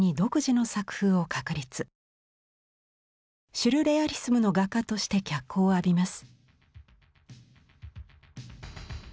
シュルレアリスムの画家として脚光を浴びます。